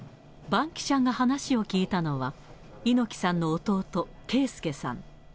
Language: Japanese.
バンキシャが話を聞いたのは、猪木さんの弟、啓介さん。